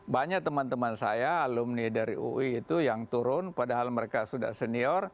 banyak teman teman saya alumni dari ui itu yang turun padahal mereka sudah senior